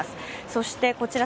そしてこちら